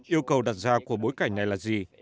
yêu cầu đặt ra của bối cảnh này là gì